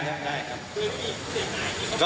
ได้ครับ